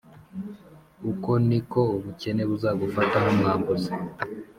uko ni ko ubukene buzagufata nk’umwambuzi